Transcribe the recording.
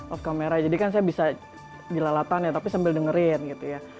off camera jadi kan saya bisa dilalatannya tapi sambil dengerin gitu ya